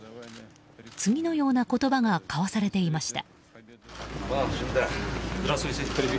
次のような言葉が交わされていました。